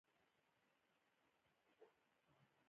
هغوی د خپل واک دروازه تړلې ساتله.